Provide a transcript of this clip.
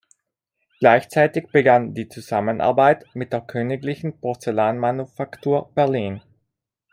Gleichzeitig begann die Zusammenarbeit mit der Königlichen Porzellanmanufaktur Berlin.